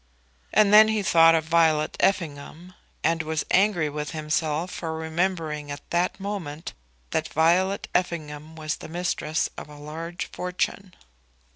And then he thought of Violet Effingham, and was angry with himself for remembering at that moment that Violet Effingham was the mistress of a large fortune.